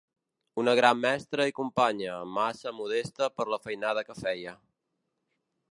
Una gran mestra i companya, massa modesta per la feinada que feia.